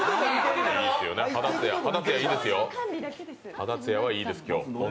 肌艶はいいですよ、今日。